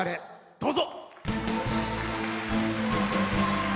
どうぞ。